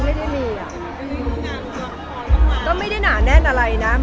แผ่นแต่งงานต้องมาแล้วไหมคะแม่